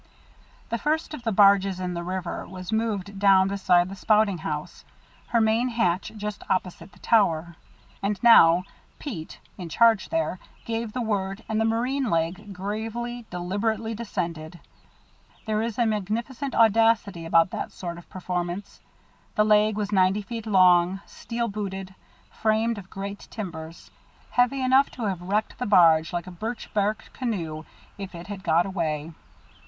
The first of the barges in the river was moved down beside the spouting house, her main hatch just opposite the tower. And now Pete, in charge there, gave the word, and the marine leg, gravely, deliberately descended. There is a magnificent audacity about that sort of performance. The leg was ninety feet long, steel booted, framed of great timbers, heavy enough to have wrecked the barge like a birch bark canoe if it had got away.